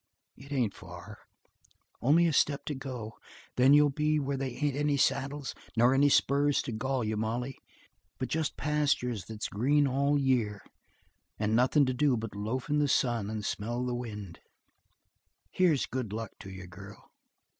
"It ain't far; only a step to go; and then you'll be where they ain't any saddles, nor any spurs to gall you, Molly, but just pastures that's green all year, and nothin' to do but loaf in the sun and smell the wind. Here's good luck to you, girl."